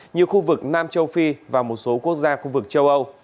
như khu vực nam châu phi và một số quốc gia khu vực châu âu